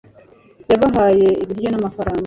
yabahaye ibiryo n'amafaranga